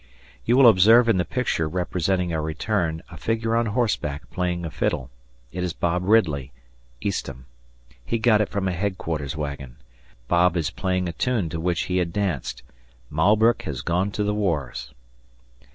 You will observe in the picture representing our return a figure on horseback playing a fiddle. It is Bob Ridley (Eastham). He got it from a headquarters wagon. Bob is playing a tune to which he had danced "Malbrook has gone to the Wars."